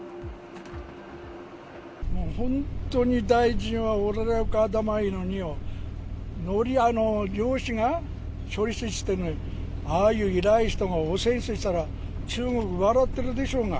本当に大臣は俺らよか頭いいのによ、漁師が処理水って言ってんのに、ああいう偉い人が汚染水って言ったら、中国は笑ってるでしょうが。